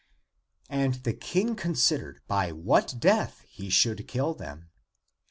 And the King considered by what death he should kill them.